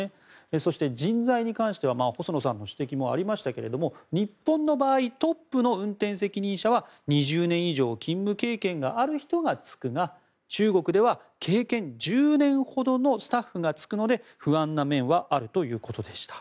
そして、人材に関しては細野さんのご指摘もありましたが日本の場合トップの運転責任者は２０年以上勤務経験がある人が就くが中国では経験１０年ほどのスタッフが就くので不安な面はあるということでした。